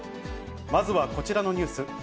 まずはこちらのニュース。